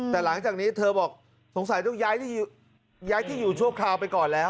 แต่หลังจากนี้เธอบอกสงสัยต้องย้ายที่อยู่ชั่วคราวไปก่อนแล้ว